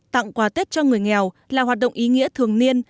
tặng quà tết cho người nghèo là hoạt động ý nghĩa thường niên